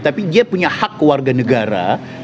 tapi dia punya hak warga negara